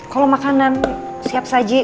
kalo makanan siap saji